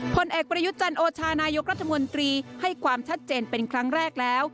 ผลเอกประยุทธ์จันโอชานายกรัฐมนตรีให้ความชัดเจนเป็นครั้งแรกแล้ว